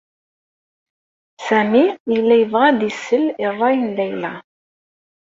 Sami yebɣa ad isel i rray n Layla.